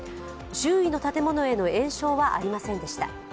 周囲の建物への延焼はありませんでした。